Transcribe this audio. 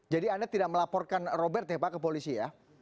jadi anda tidak melaporkan robert ya pak ke polisi ya